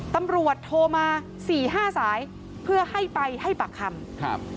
ตำรวจโทรมา๔๕สายเพื่อให้ไปให้บักคำ